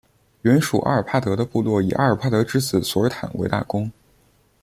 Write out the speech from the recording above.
原属阿尔帕德的部落以阿尔帕德之子索尔坦为大公。